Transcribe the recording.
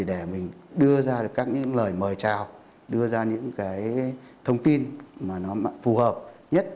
để mình đưa ra các lời mời chào đưa ra những thông tin phù hợp nhất